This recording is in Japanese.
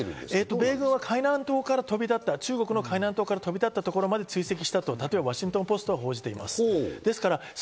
米軍は海南島から飛び立った、中国の海南島から飛び立ったと追跡していると、ワシントン・ポストは報じています。